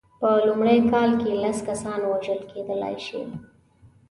په لومړۍ کال کې لس کسان وژل کېدلای شي.